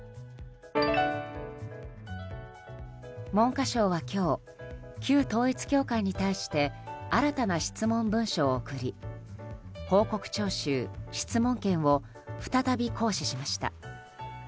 文科省は今日、旧統一教会に対して新たな質問文書を送り報告徴収・質問権を再び行使しました。